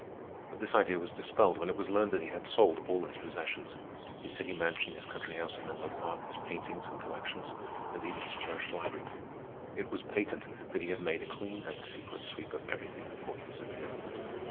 But this idea was dispelled when it was learned that he had sold all his possessions,—his city mansion, his country house at Menlo Park, his paintings, and collections, and even his cherished library. It was patent that he had made a clean and secret sweep of everything before he disappeared.